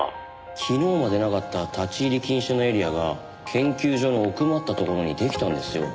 昨日までなかった立ち入り禁止のエリアが研究所の奥まった所にできたんですよ。